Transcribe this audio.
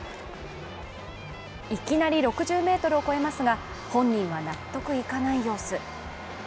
いきなり６０ｍを超えますが、本人は納得いかない様子。